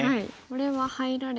これは入られても。